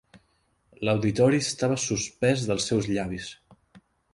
L'auditori estava suspès dels seus llavis.